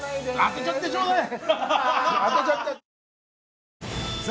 当てちゃってちょうだい！